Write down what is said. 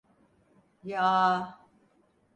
Yaa…